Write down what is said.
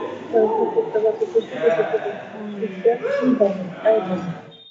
অমন করে দুটো একটা বছর বেশি বেঁচে থেকে সুখটা কী হবে, তাই ভাবে।